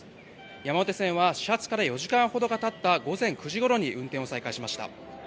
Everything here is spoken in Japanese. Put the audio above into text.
山手線は始発から４時間ほどがたった午前９時ごろに運転を再開しました。